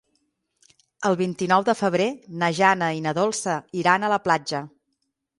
El vint-i-nou de febrer na Jana i na Dolça iran a la platja.